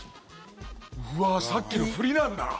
うわーっさっきの振りなんだ。